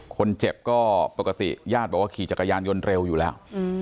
คนเจ็บก็ปกติญาติบอกว่าขี่จักรยานยนต์เร็วอยู่แล้ว